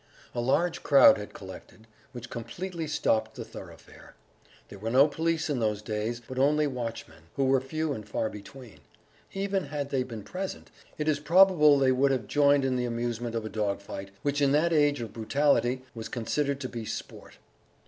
A large crowd had collected, which completely stopped the thoroughfare. There were no police in those days, but only watchmen, who were few and far between; even had they been present, it is probable they would have joined in the amusement of a dog fight, which in that age of brutality was considered to be sport....